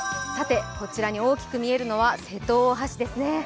こちらに大きく見えるのは瀬戸大橋ですね。